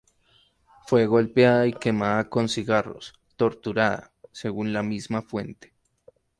Fue golpeada y quemada con cigarros -torturada-, según la misma fuente.